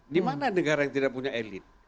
dimana negara yang tidak punya elit